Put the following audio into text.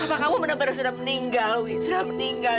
apakah kamu benar benar sudah meninggal wi sudah meninggal